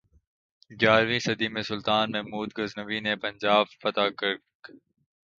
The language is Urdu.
گیارہویں صدی میں سلطان محمود غزنوی نے پنجاب فتح کرک